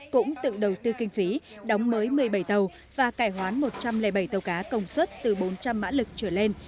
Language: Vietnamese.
cũng tự đầu tư kinh phí đóng mới một mươi bảy tàu và cải hoán một trăm linh bảy tàu cá công suất từ bốn trăm linh mã lực trở lên